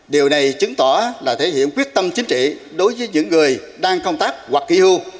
điều này chứng tỏ là thể hiện quyết tâm chính trị đối với những người đang công tác hoặc kỹ hưu